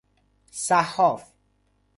صحاف